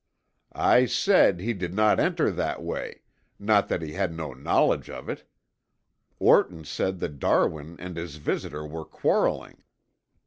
"I said he did not enter that way, not that he had no knowledge of it. Orton said that Darwin and his visitor were quarreling.